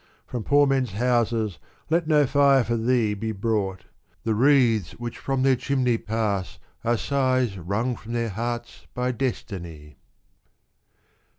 From poor men's houses, let no fire for thee Be brought The wreaths which firom their chimney pass Are sighs wrung from their hearts by destiny.